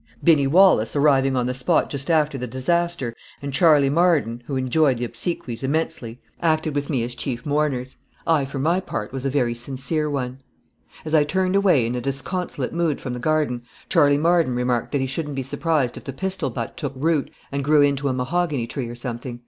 Binny Wallace, arriving on the spot just after the disaster, and Charley Marden (who enjoyed the obsequies immensely), acted with me as chief mourners. I, for my part, was a very sincere one. As I turned away in a disconsolate mood from the garden, Charley Marden remarked that he shouldn't be surprised if the pistol butt took root and grew into a mahogany tree or something.